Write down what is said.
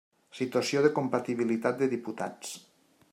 Situació de compatibilitat de diputats.